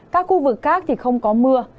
các khu vực khác không có mưa